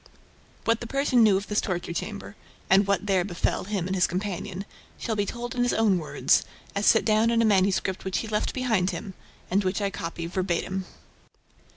What the Persian knew of this torture chamber and what there befell him and his companion shall be told in his own words, as set down in a manuscript which he left behind him, and which I copy VERBATIM.